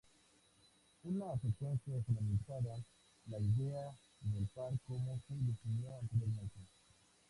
Una secuencia generaliza la idea del par como se definió anteriormente.